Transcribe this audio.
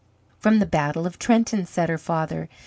"From the battle of Trenton," said her father.